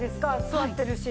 座ってるし。